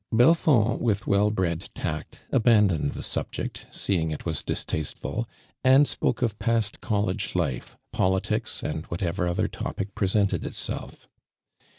Belfond, with woUbrod tact, abandoned the subject, seeing it was distasteful, and spoke of past college life, politics and what ever other topic jn esontod itself.